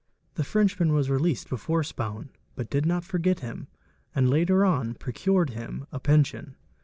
The Frenchman yas released before Spaun, but did not forget him and later on procured him a pension.